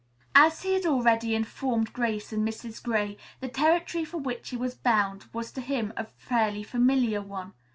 As he had already informed Grace and Mrs. Gray, the territory for which he was bound was to him a fairly familiar one.